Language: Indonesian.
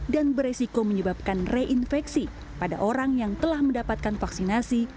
dan beresiko menyebabkan reinfeksi pada orang yang telah mendapatkan vaksinasi